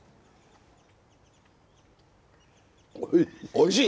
おいしい。